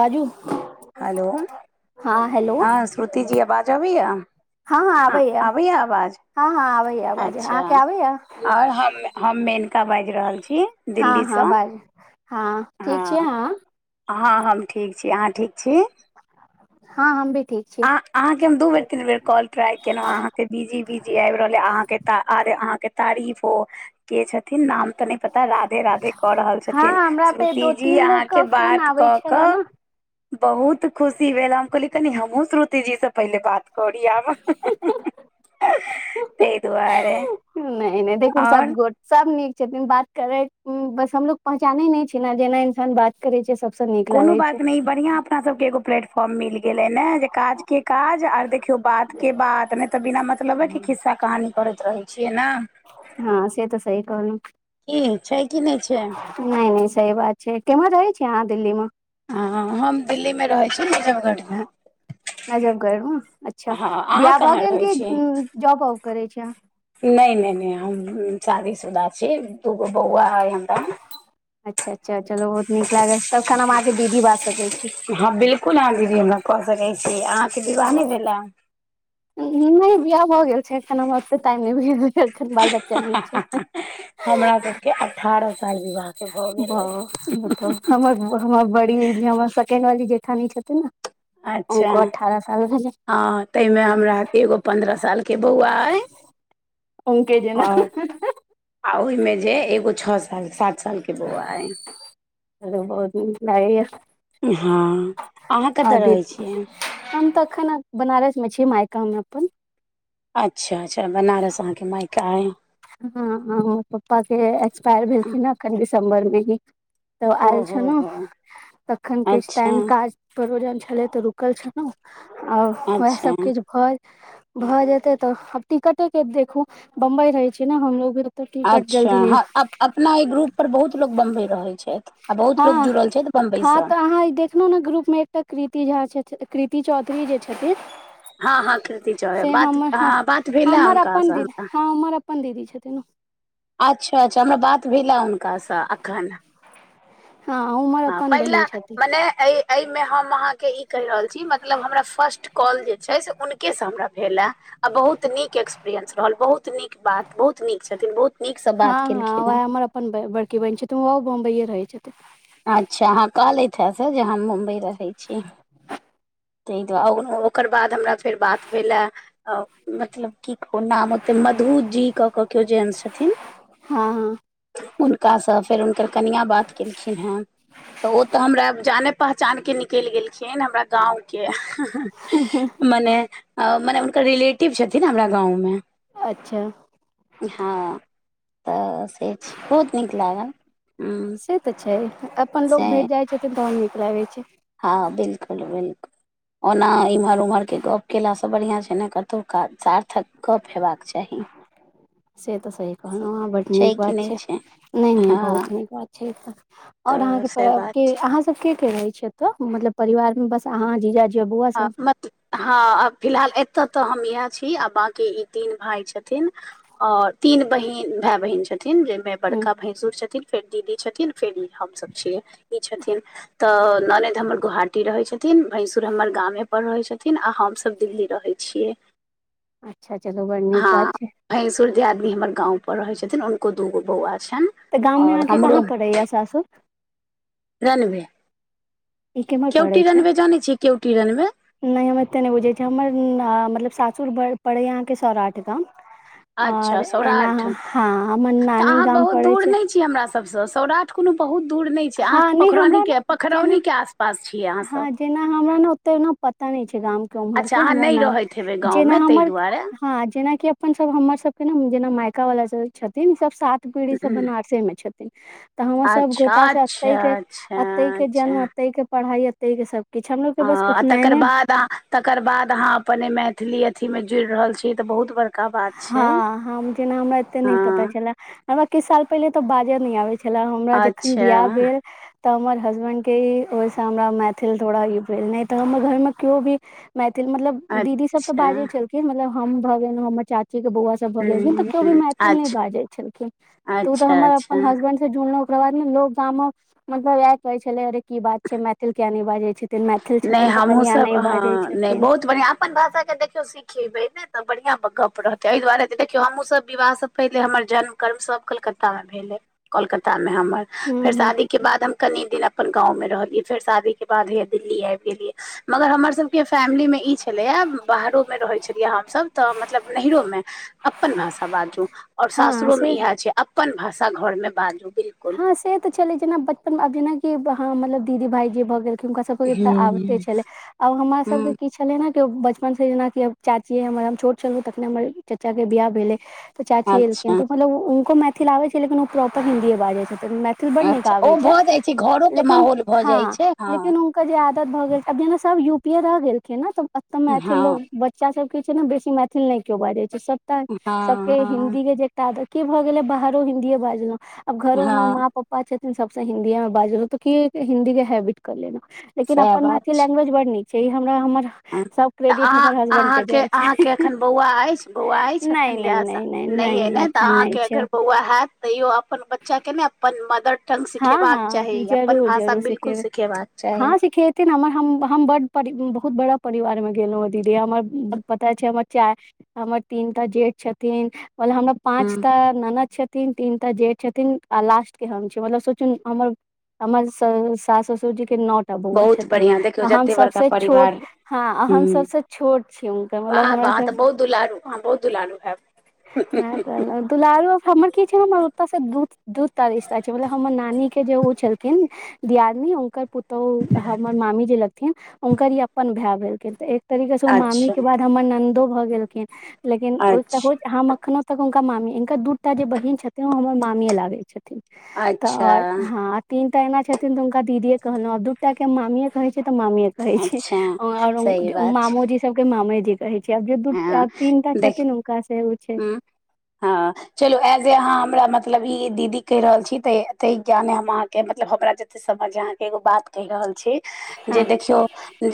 बाजू हेलो हँ हेलो हँ श्रुति जी आवाज अबैया हँ आबैया आवाज हँ हँ आबेया आबाज अहाँ अच्छा के आबैय आओर हम हम मेनका बाजि रहल छी हँ हँ दिल्लीसँ बाज हँ ठीक छियै हँ अहाॅं हँ हम ठीक छी अहाँ ठीक छी हँ हम भी ठीक छी आ अहाँ के हम दू बेर तीन बेर कॉल ट्रा कयेलहुँ अहाँ के बिजी बिजी आबि रहल अहाँ के तऽ आर अहाँ के तारीफो के छथिन नाम तऽ नहि पता राधे कऽ रहल हँ छथिन हमरा पे श्रुति दो जी तीन लोग अहाँ के फोन बात आबै कऽ छले कऽ ने बहुत खुशी भेल हम कहली कनि हमहुँ श्रुतिजी से पहिले बात कोरीआब ताहि दुआरे नहि नहि देखू आओर सब गोट सब नीक छथिन बात करै बस हमलोग पहचाने नहि छी ने जेना इन्सान बात करै छै सब कोनो बात नहि ई बढ़ियां अपना सब के एगो प्लेटफॉर्म मिल गेल गेले ने जे काज के काज आर देखियौ बात के बात ने तऽ बिना मतलबे के खिस्सा कहानी करैत रहै छियै न हँ से तऽ सही कहलहुँ की छै कि नहि छै नहि नइ सही बात छै किमहर रहै छियै अहाँ दिल्ली में हँ हम दिल्ली में रहै छी नजबगढ़ में नजबगढ़ में अच्छा अहाँ बियाह भए कहाँ रहै गेल छी क जॉब आॅब करे छी अहाॅं नहि नहि नहि हम शादीशुदा छी दूगो बौआ अइ हमरा अच्छा अच्छा चलो बहुत नीक लागल तबखन हम अहाँ के दीदी बाज सकैत छी हँ बिल्कुल अहाँ दीदी हमरा कऽ सकै छी अहाँ के विवाह नहि भेला नहि बियाह भऽ गेल छै एखन हमर ओे टाइम नहि [unintelligible] भेल एखन बाल बच्चा नई छै हमरा सबके अठारह साल विवाहके भऽ [unintelligible] गेलै बाउ बताऊ हमर हमर बड़ी हमर सेकेंड वाली जेठनि छथिन ने अच्छा हुनको अठारह साल भेलै हँ ताहि मे हमरा एगो पन्द्रह साल के बौआ अइ हुनके जेना आओर आ ओहि मे जे एगो छो साल सात साल के बौआ अइ चलो बहुत नीक लागैया हँ अहाँ कतऽ आदि रहै छियै हम तऽ अखन बनारस मे छी मायका मे अपन अच्छा अच्छा बनारस अहाँके मायका अइ हँ हॅं पप्पा के एक्सपायर भेलखिन ह एखन दिसम्बर मे ही तब आयल छ ओहो न हो तखन किछ अच्छा टाईम काज परोजन छलै त रुकल छल लौं आओर वएह अच्छा सब किछ भऽ भऽ जेतै तऽ टिकटे के देखू बम्बई रहे छी ने हमलोग भी तऽ टिकट अच्छा जल्दी नहि हँ अप् अप् अपना एहि ग्रुप पर बहुत लोक बम्बई रहै छथि आ बहुत लोग जुड़ल छथि बमबई सँ एना नो ग्रुप मे एकटा कृति झा कीति चौधरी जे छथिन हँ हँ कीर्ति चौबे से बात हम् ह हँ बात भेलए हमर अपन हुनकासँ दीदी हमरा हँ हमर अपन दीदी छथिन ओ अच्छा अच्छा हमरा बात भेला हुनका सँ अखन हँ उमर हँ अपन पहिला बहिन छथिन मने एहि एहिमे हम अहाँ के ई कहि रहल छी मतलब हमरा फर्स्ट कॉल जे छै से हुनके स हमरा भेला आ बहुत नीक एक्सपीरियंस रहल बहुत नीक बात बहुत नीक छथिन बहुत नीकसँ बात हँ हँ केलखिन हें वएह हमर अपन ब बड़की बहन छथिन ओहो बम्बइए रहै छथिन अच्छा हॅं कहलैथा से जे हम मुम्बई रहैत छी ह [unintelligible] ताहि दुआरे ओकर बाद हमरा फेर बात भेलए मतलब की कहुं नाम ओते मधु जी कऽ कऽ केओ जेन्स छथिन हँ हुनका सँ फेर हुनकर कनिआ बात केलखिन हें तऽ ओ तऽ हमरा जाने पहचान के निकलि गेलखिन हमरा गाँव के मने अ मने हुनकर रिलेटिव छथिन हमरा गाँवमे अच्छा हँ तऽ से छै बहुत नीक लागल हूं से [unintelligible] द निक लागै छै हँ बिल्कुल बिल्कुल ओना इम्हर उम्हर के गप केला से बढ़िया छै ने कतौ सार्थक गप हेबाक [inaudible] से तऽ सही कहलहु अहाॅं बड नीक बात छै नहि नहि हँ बहुत नीक बात छै ई तऽ और अहाँ तऽ से बात के अहाँ सब के के रहे छी एत मतलब परिवार मे बस अहाँ जीजाजी आ बौआ हँ सब म [unintelligible] हँ आ फिलहाल एतय तऽ हम इएह छी आ बाकी ई तीन भाय छथिन औ तीन बहिन भाय बहिन छथिन जेहिमे ह बड़का भैंसुर छथिन फेर दीदी छथिन फेर ई हमसभ छियै ई छथिन तऽ ननैद हमर गोहाटी रहै छथिन भैंसुर हमर गामे पर रहै छथिन आ हमसभ दिल्ली रहै छियै अच्छा अच्छा त बड़् नीक हँ बात छै भैंसुर दियादनी हमर गाँव पर रहै छथिन हुनको दूगो बौआ छनि तऽ गाम मे आओर अहाँके हमरो कहाँ पड़ैये सासुर रनबे ई केम्हर पड़ै केउटी छै रनबे जनै छियै केउटी रनबे नहि हम एतेक नहि बुझैत छियै हमर मतलब सासुर पड़ैया अहाँके सौराठ गाम अच्छा और एना सौराठ हँ हाॅं हमर नानी गाम पड़ै छै सबस सौराठ कोनो बहुत दूर नहि छै अहाँ हँ नहि हमरा पोखरौनीके न जेना पोखरौनीके आसपास छियै अहाँसभ हँ जेना हमरा ने ओते पता नहि छै गाम के उम्हर अच्छा के अहाँ हमर नहि ओना रहैत हेबै जेना गाँवमे ताहि हमर दुआरे हँ जेनाकि अपन सब हमर सबके ने जेना मायका वाला सब छथिन सब साथ पीढ़ी सब बनारसे मे छथिन तऽ हमर सब अच्छा गोे से एते के अच्छा अच्छा एते के अच्छा जन्म एते के पढ़ाई एते के सब किछु हमलोग के बस आ तकर उपनयने बाद आ तकर बाद अहाॅं अपन ऐ मैथिली अथी में जुड़ रहल छीे ईत बहुत बड़ हँ हम जेना हमरा एते नहि पता हँ छलै हमरा किछ साल पहिले तऽ बाजय नहि आबै छले हमरा जखन अच्छा बियाह भेल तऽ हमर हसबैंड के ई ओहिस हमरा मैथिल थोड़ा इ भेल नहि तऽ हमर घर मे किओ भी मैथिल मतलब दीदी सब तऽ अच्छा बाजे छलखिन मतलब हम भऽ गेलऊं हमर चाची के बौआ ह्म के भी ह्म मैथिल अच्छा बाजै छलखिन तऽ ओ तऽ अच्छा हमर अच्छा अपन हसबैंड जुड़लहु ओकरा बाद ने लोग गाम मे मतलब इएह कहै छले अरे की बात छै मैथिल किया न बाजै छै नहि हमहुँ सभ ह नहि छथिन बहुत बढ़िआँ अपन भाषाके देखियौ सिखेबै तऽ बढ़िआं गप रहतै एहि दुआरे देखियौ हमहूँ सब विवाह से पहिले हमर जन्म कर्म सभ कलकत्ता मे भेल ऐ कोलकक्ता मे हमर हूँ फेर हूँ शादी के बाद हम कनि दिन अपन गाँव मे रहलियै फेर शादी के बाद हम दिल्ली आइब गेलियै मगर हमर सबके फैमिली में ई छलैया बाहरोमे रहैत छलियै हमसभ तऽ मतलब नहिरो में अपन भाषा बाजू आओर हँ सासुरोमे से इएह छै अप्पन भाषा घरमे बाजू बिलकुल हँ से तऽ छलै जेना बचपन मे आब जेनाकि मतलब दीदी भाईजी भऽ गेल हुनका सब के त हूँ आदते छलै आब हमरा सबके हूँ किछ छलै न केओ बचपन से जेना कि आब चाचीये हमर हम छोट छलहु तखने हमर चाचा के बियाह भेलै चाची एलखिन अच्छा तऽ मतलब हुनको मैथिल आबै छै लेकिन ओ प्रॉपर हिन्दीए बाजै छथिन बड नीक अच्छा आबै ओ छै भऽ जाइ घरो के लेकिन माहौल भऽ हँ जाइ छै हँ लेकिन के जे आदत भऽ गेल छै आब जेना सब यू पी ए रह गेलखिन ने त ओत मैथिल हँ लोग बच्चा सब के छै ने बेसी मैथिल नहि केओ बाजै छै सबटा सबके हँ हँ हिन्दी के जे की भऽ गेलै बाहरो हिन्दीए बाजलहुं आब घरो मे माँ हँ पप पा छथिन सबस हिन्दीए मे बाजल त क हिन्दी के हैबिट कर लेलहुॅं लेकिन सएह अप्पन बात मैथिली छै लैंग्वेज बड नीक छै ई हमरा हमर सब तऽ क्रेडिट अहाँ हमर हसबेंड के अहाँके जाइ छै अहाँके एखन बौआ अछि बौआ अछि नहि एखन नहि इएह नहि अछिइ नहि ने तऽ एखन नहि अहाँके अगर छै बौआ होयत तैयो अपन बच्चा के ने अपन मदर टङ्ग हँ सिखेबाक चाही हँ अपन जरूर भाषा जरूर सिखेबै बिल्कुल सिखेबाक चाही हँ सिखेथिन हमर हम हम बड बहुत बड़ा परिवार मे गेलों दीदी हमर पता छै हमर चार हमर तीनटा जेठ छथिन मतलब हमर पाँच ह टा ननद छथिन तीनटा जेठ छथिन आ लास्ट के हम छी मतलब सोचियौ हमर हमर सास ससुर जी के नौ ट टाऽ बौआ बहुत छथिन बढ़िआँ देखियौ आ हम जते सबस बड़का छोट परिवार हँ ह हम सबस छोट छी हुनकर वाह मतलब हमरा वाह से तऽ बहुत दुलारू अहाँ बहुत दुलारू हैब [unintelligible] दुलारु हमर की छै हम ओ से दूत् दूत् दूटा रिश्ता छै मतलब हमर नानी के जे ओ छलखिन दियादनी हुनकर पुतौह हमर मामी जे लगथिन हुनकर ई अपन भाय भेलखिन त एक तरीके से उ मामी अच्छा के भे हमर ननदो भ गेलखिन लेकिन ओई अच्छा हम अखनो तक हुनका मामी हिनक दू टा जे बहिन छथिन ओ हमर मामिये लागै छथिन तऽ आओर अच्छा हँ तीन टा एना छथिन तऽ हुनका दीदीे कहलहुं दू टा के मामे कहे छै त मामिय कहै छै अच्छा सही आओर बात छै मामो जी के मामे जी कहे छै आब जे दू टा हँ आब तीनटा देख छथिन हुनका से ओ छै हँ हँ चलू एज अहाँ हमरा मतलब ई दीदी कहि रहल छी त ते ज्ञाने हम अहाँके मतलब हमरा समझ अहाँ के एगो बात कहि रहल छी आ जे देखियौ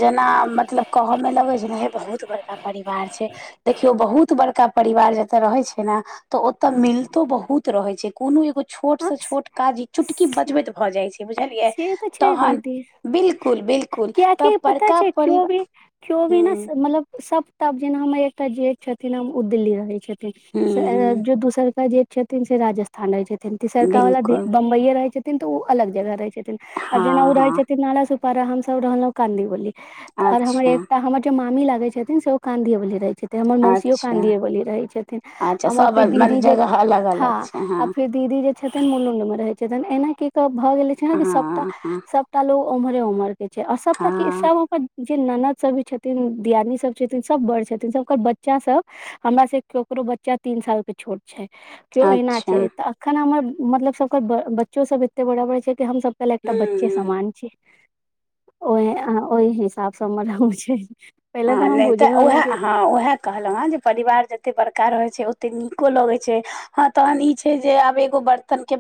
जेना मतलब कहऽ मे लगै छै ने हे बहुत बड़का परिवार छै देखियौ बहुत बड़का परिवार जतय रहे छै ने तऽ ओतऽ मिलतो बहुत रहे छै कोनो एगो छोट हँ से छोट काज ई चुटकी से बजबैत भए जाइ छै बुझलियै से तऽ छै तहन दीदी बिल्कुल बिल्कुल तऽ कियकि पता बड़का छै केओ भी परिवार केओ भी न हूँ मतलब सबटा जेना हमर एकटा जेठ छथिन हम ओ दिल्ली रहै छथिन हूँ हूँ जे दोसरका जेठ छथिन से राजस्थान रहै छथिन तेसरका बिल्कुल, बम्बई भैया रहै छथिन तऽ ओ अलग जगह रहै छथिन आ ओ जेना हाँ, रहे हाँ, छथीन नालासोपारा हम सब रहलहुॅं काँदीबली और हमर अच्छा, एकटा हमर जे मामी लागै छथिन से ओ काँदिये बली रहै छथिन तऽ हमर मौसियो अच्छा, कांदियेबली रहै छथिन अच्छा हमर सब फेर अल- मतलब दीदी जे जगह हँ अलग-अलग छै, आ हाँ, फेर दीदी जे छथिन बेंगलुरु [unintelligible] [inaudible] मे रहे छथिन एना की भऽ गेल सबटा हाँ, हाँ, सबटा लोग उम्हरे उम्हर के छै और सबटा कऽ हाँ, सब जे ननद सब भी छथिन दिया दिनी सब छथिन सब बड़ छथिन सब के बच्चा सब हमरा से केकरो बच्चा तीन साल के छोट छै केओ अहिना अच्छा, छै तऽ अखन हमर मतलब सबके बच्चो सब एते बड़बर छै कि हमसभ केलक तऽ बच्चे हुँ, समान छै ओ ओहि हिसाब सँ हमर रह छै पहिले हाँ हम नहि तऽ बुझलहुं उएह ने कि हँ उएह कहलहुँ जे परिवार जतेक बड़का रहैत छै ओतेक नीको लगैत छै हाँ तहन ई छै जे आब एगो बर्तन के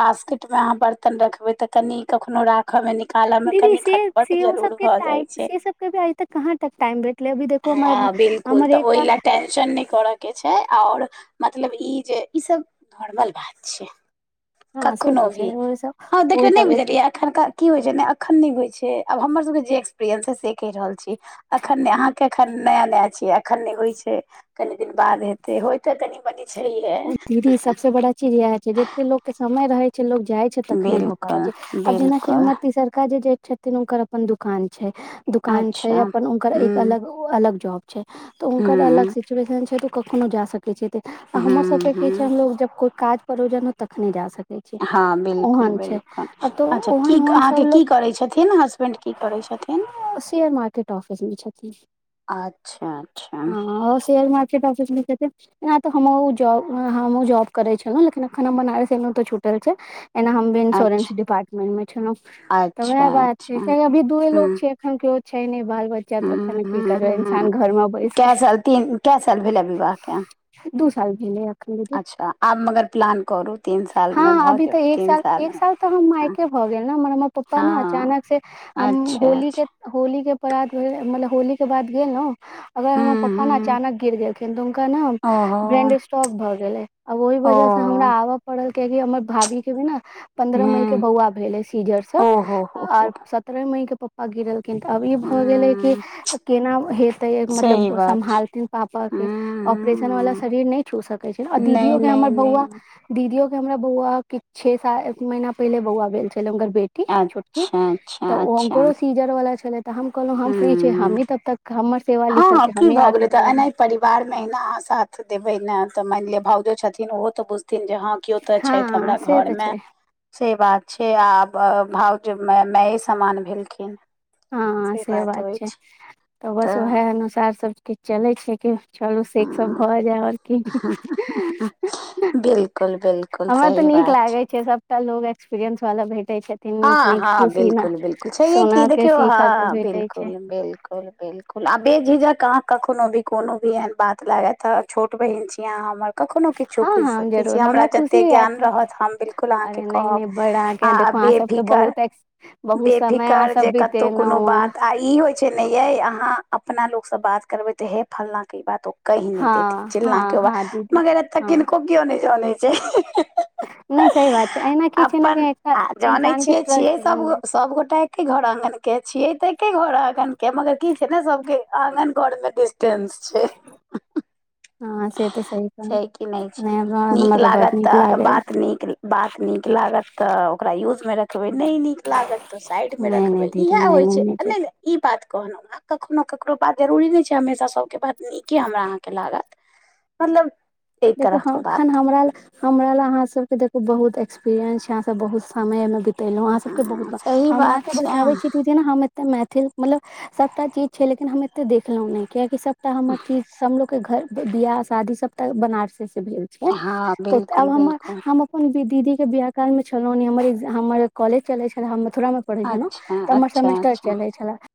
बास्केट में अहाँ बर्तन रखबे तऽ कनि कखनो राख में निकालऽ मे दीदी कनि खटपट जरूर भऽ जाइ छै आ [unintelligible] इ तक कहाँ तक टाइम अभी देखू हमर हाँ बिल्कुल हमर तऽ ओहि एकटा लए टेंशन नहि कर के छै और मतलब ई जे ई सब नॉर्मल बात छै हँ से कखनो तऽ भी छै ओ सब हाँ ओ देखिय नहि सब एक बुझलियै की होइ छै ने अखन नहि होइ छै आब हमर सब के जे एक्सपीरियंस छैइ से कहि रहल छी एखन ने अहाँ के एखन नया नया छियै एखन नहि होइ छै कनि दिन बाद हेतै होई तऽ कनि मनी छैहे चिड़िया होई छै जते लोग के समय रहे छै लोग जाय छै तखने भऽ पाबै बिल्कुल छै आब जेनाकि बिल्कुल हमर तिसरका जे जेड छथिन हुनकर अपन दुकान छै दुकान अच्छा छै अपन हुनकर एक ह्म अलग अलग जॉब छै तऽ हुनकर अलग ह्म सिचुएशन छै तऽ कखनो जा सकैत छै आ हमर ह्म सबके छै ह्म हमलोग जब कोइ काज परोजन तखने जा सकै छी हँ बिल्कुल ओहन छै बिल्कुल आब तऽ अच्छा की ओहन ओहन अहाँ सब के लोग की करैत छथिन हसबेंड की करैत छथिन शेयर मार्केट ऑफ़िस में छथीन ह अच्छा अच्छा ओ शेयर मार्केट ऑफिस में से यहां तऽ हमहुॅं जाॅब हमहुँ जॉब करै छलहुँ लेकिन अखन हम बनारस एलहुँ तऽ छूटल छै एना अच्छा इन्स्योरेंस डिपाटमेंट मे छलौं तऽ वोहा अच्छा बात अच्छा छै अभी दूए लोग हुँ, छै एखन क्यों छै नहि बाल बच्चा हुँ, तखन की करबै इन्सान घर मे बैस कऽ तीन के साल भेल विवाह के दू साल भेलए या ऐखन दिदी आब मगर प्लान करू सालमे हँ भऽ अभी तऽ जायत एक साल एक सालमे साल तऽ हम हँ, मायके भऽ गेल ने हमर हमर पप्पा ने हँ अचानक से हम अच्छा होली के अच्छा होली के परात भेल मतलब होली के बाद गेलौं तो हुँ, हमर पपा ने हुँ, अचानक गिर गेल खिन हुनका न ओहो ब्रेंड स्टॉक भऽ गेले आब ओहि ओ वजह से हमरा आब पड़ल किया कि हमर भाभी के भी ने पन्द्रह मई के हुँ, बौआ भेलै सीजर से ओहो हो हो आर सब पन्द्रह मई के पप्पा गिरल लेकिन तऽ अ [unintelligible] ब ई भऽ गेलै कि हुँ, केना हेतै सही मतलब बात छै सम्भालथिन पापा हुँ, के ऑपरेशन वाला हुँ, हुँ। शरीर नहि छू सकैत छै आ नहि, दीदियो के नहि, हमर बौआ नहि दीदियो के हमरा बौआ किछ छे सा एक महिना पहिले बौआ भेल छले हुनकर बे टी छोटकी अच्छा, तऽ अच्छा, अच्छा उनको सीजर वाला छलै तऽ हम कहलहुँ हम फ्री छी हुँ। हम ही तब तक हमर सेवा लिखल छी हमही आ के करब परिवार में अहिना अहाँ साथ देबै ने तऽ मानि लिअऽ भाउजो छथिन ओहो तऽ बुझथिन जे हँ किओ तऽ हँ छथि हमरा से घर तऽ में छै से बात छै आब भाउज माय समान भेलखिन हँ हॅं से सेहे बात छै अछि तऽ बस ओएह अनुसार सब किछ चलै छै की चलू सेस भऽ जाय आओर क [unintelligible] बिल्कुल बिल्कुल हमरा तऽ सही नीक बात लागै छै सभटा लोग एक्सपीरियंस वाला भेटे छै हँ हँ बिल्कुल बिल्कुल छै की सोना के देखियौ सीखऽ के हँ भेटै बिल्कुल छै बिल्कुल बिल्कुल आ बे झिझक अहाँ कखनो भी कोनो भी एहन बात लागत छोट बहिन छी अहाँ हमर कखनो किछो हँ पुछि हम सकै छी जरूर हमरा खुशी जतैक ज्ञान हयत रहैत हम बिल्कुल अहाँ अरे के हम नहि कहब नहि बड़ अहाँके आ देखो अहाँ बे सबके फिकर बहुत एक्स बहुत समय अहाँ बेफिकर जे सब कतौ कोनो बितेलहुँ बात आ ई होइ छै ने ये अहाँ अपना लोगसँ बात करबे तऽ हे फलनाके ई बात कहि नहि देथिन हँ हँ चिलना हँ के बा हँ दीदी मगर एत हँ किनको कियओ नहि जनै छै हहह नहि सही बात छै एना की छै ने जे एकटा आ जानै इन्सान के छियै छियै ट्रस्ट सब बनि जाय सब गोटा एके घर आगन के छियै तऽ एके घर आगन के मगर की छै ने सब के आँगन घर में डिस टेंस छै [inaudible] हँ से तऽ सही कहलौं छै कि नहि छै नैं हमरा नीक हमरा तऽ लागत बड नीक तऽ लागै बात नीक बात नीक लागत त ओकरा यूज में रखबे नहि नीक लागत तऽ साइड मे नहि नहि रखबै दीदी इएह नहि होइ छै आ जरूर नहि नहि ई बात कहलहुं ह कखनो ककरो बात जरुरी नहि छै हमेशा सबके बात नीके हमरा अहाँके लागत मतलब एहि देखू तरह हँ के बात अखन हमरा ले हमरा ले अहाॅं सब के देखु बहुत एक्सपीरियंस यैह आहाॅं सब बहुत समय में लहुँ आहाॅं सबके ह बहुत सही हम बात अहाँके छै बताबै छी हम एते मैथिल मतलब सबटा चीज छै लेकिन हम एते देखलहुं ने कियाकि सब त हमर कीज हमलोग के घर बियाह शादी सब टा बनारसे से भेल ह हँ त बिलकुल आब हमर बिलकुल हम [unintelligible] अपन दीदी के बियाह काल मे छलौ हमर हमर कॉलेज चले छल हम मथुरा पढ़ै छलौं अच्छा त हमर अच्छा सेमेस्टर अच्छा चलै छले